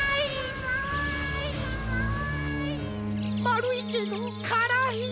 まるいけどからい。